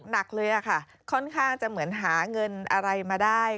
หนักเลยค่ะค่อนข้างจะเหมือนหาเงินอะไรมาได้